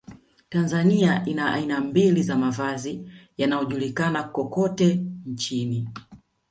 Tanzania ina aina mbili za mavazi yanayojulikana kokote nchini